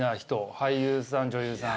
俳優さん女優さん。